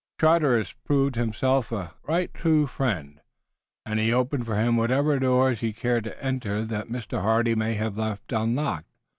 Charteris proved himself a right true friend, and he opened for him whatever doors he cared to enter that Mr. Hardy may have left unlocked.